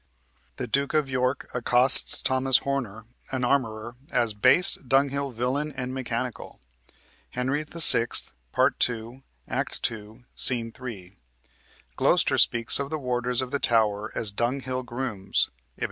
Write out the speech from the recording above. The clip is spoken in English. The Duke of York accosts Thomas Horner, an armorer, as "base dunghill villain and mechanical" (Henry VI., Part 2, Act 2, Sc. 3); Gloster speaks of the warders of the Tower as "dunghill grooms" (Ib.